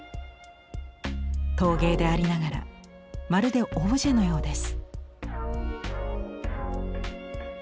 陶芸でありながらまるでオブジェのようです。